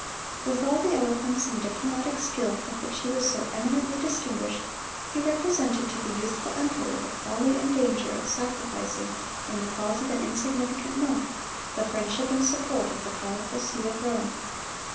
With all the eloquence and diplomatic skill for which he was so eminently distinguished, he represented to the youthful emperor the folly and danger of sacrificing, in the cause of an insignificant monk, the friendship and support of the powerful see of Rome.